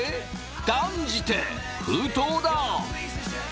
断じて封筒だ！